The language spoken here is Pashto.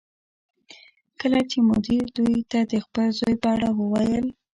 کله چې مدیر دوی ته د خپل زوی په اړه وویل